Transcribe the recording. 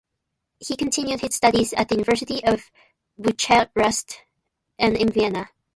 He continued his studies at the University of Bucharest and in Vienna.